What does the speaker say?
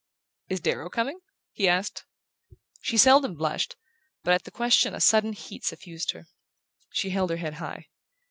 "Is Darrow coming?" he asked. She seldom blushed, but at the question a sudden heat suffused her. She held her head high.